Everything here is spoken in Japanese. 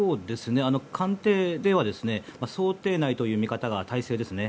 官邸では想定内という見方が大勢です。